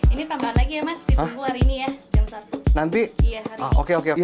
ini tambahan lagi ya mas ditunggu hari ini ya